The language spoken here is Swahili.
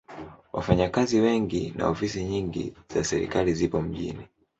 Wafanyakazi wengi na ofisi nyingi za serikali zipo mjini.